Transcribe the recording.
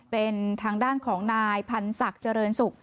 เป็นทางด้านของนายพันธ์ศักดิ์เจริญสุข